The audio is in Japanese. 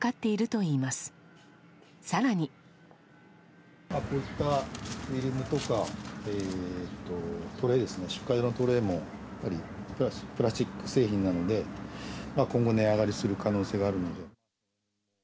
こういったフィルムとか、トレーですね、出荷用のトレーも、やっぱりプラスチック製品なので、今後、値上がりする可能性があるので。